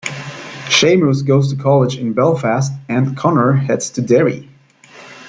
Seamus goes to college in Belfast, and Conor heads to Derry.